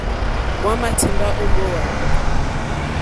Hwámà tìmbá ó mbówà.